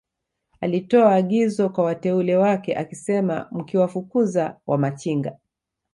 alitoa agizo kwa wateule wake akisema Mkiwafukuza Wamachinga